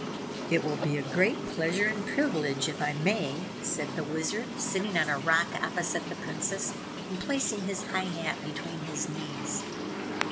"It will be a great pleasure and privilege, if I may," said the Wizard, sitting on a rock opposite the Princess and placing his high hat between his knees.